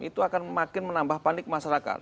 itu akan makin menambah panik masyarakat